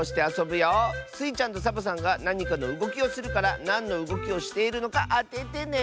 スイちゃんとサボさんがなにかのうごきをするからなんのうごきをしているのかあててね！